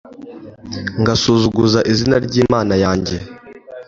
ngasuzuguza izina ry'imana yanjye